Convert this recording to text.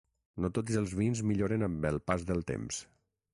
No tots els vins milloren amb el pas del temps.